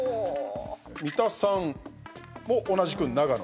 三田さんも同じく長野。